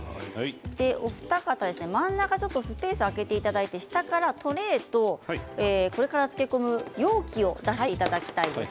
お二方、真ん中スペースを空けていただいて下からトレーとこれから漬け込む容器を出していただきたいです。